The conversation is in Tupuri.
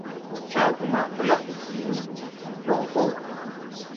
Cããge ma ɓlagge yii jɔŋ bɔŋ.